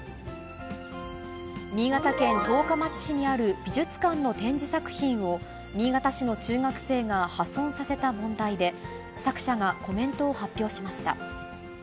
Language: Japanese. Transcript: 新潟県十日町市にある美術館の展示作品を、新潟市の中学生が破損させた問題で、作者がコメントを発表しました。